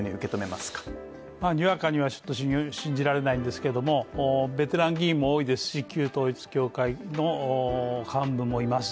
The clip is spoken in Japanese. にわかには信じられないんですが、ベテラン議員も多いですし旧統一教会の幹部もいます。